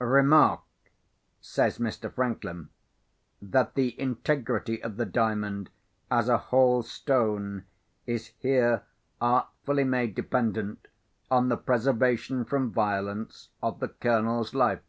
"Remark," says Mr. Franklin, "that the integrity of the Diamond, as a whole stone, is here artfully made dependent on the preservation from violence of the Colonel's life.